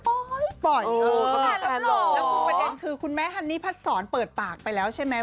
แล้วคือประเด็นคือคุณแม่ฮันนี่พัดสอนเปิดปากไปแล้วใช่ไหม